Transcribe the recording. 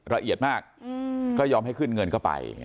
ละเอียดมากก็ยอมให้ขึ้นเงินเข้าไป